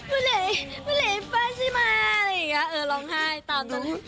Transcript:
เมื่อไหร่ไอ้ฟ้าใช่ไหมอะไรอย่างเงี้ยเออร้องไห้ตามตรงนู้น